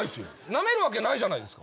なめるわけないじゃないですか。